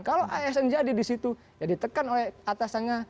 kalau asn jadi disitu ya ditekan oleh atasannya